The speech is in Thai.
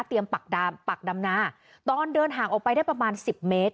ปักดำปักดำนาตอนเดินห่างออกไปได้ประมาณสิบเมตร